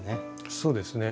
そうですね。